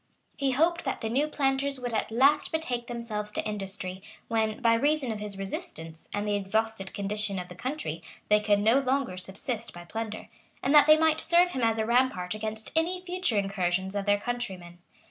He hoped that the new planters would at last betake themselves to industry, when, by reason of his resistance, and the exhausted condition of the country, they could no longer subsist by plunder; and that they might serve him as a rampart against any future incursions of their countrymen.